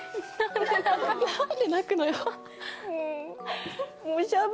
何で泣くの。